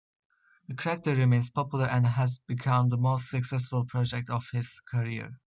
The character remains popular and has become the most successful project of his career.